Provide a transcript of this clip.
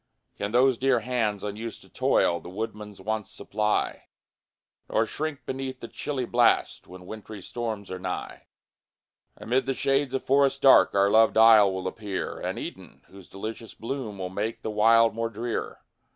Can those dear hands, unused to toil, The woodman's wants supply, Nor shrink beneath the chilly blast When wintry storms are nigh? Amid the shades of forests dark, Our loved isle will appear An Eden, whose delicious bloom Will make the wild more drear.